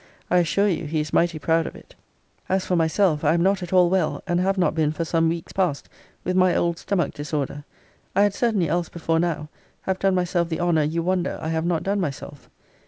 I assure you he is mighty proud of it. As for myself, I am not at all well, and have not been for some weeks past, with my old stomach disorder. I had certainly else before now have done myself the honour you wonder I have not done myself.